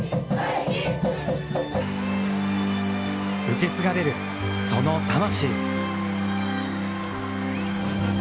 受け継がれる、その魂。